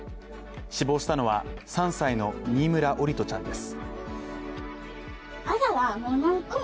死亡したのは３歳の新村桜利斗ちゃんです。